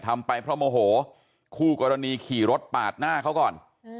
ทำไปเพราะโมโหคู่กรณีขี่รถปาดหน้าเขาก่อน